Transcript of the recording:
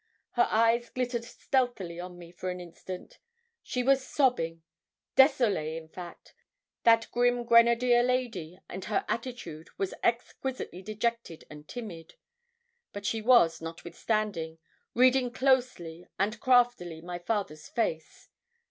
Her eyes glittered stealthily on me for an instant: she was sobbing désolée, in fact that grim grenadier lady, and her attitude was exquisitely dejected and timid. But she was, notwithstanding, reading closely and craftily my father's face.